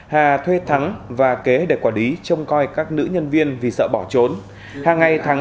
hà thuê thắng và kế để quản lý trông coi các nữ nhân viên vì sợ bỏ trốn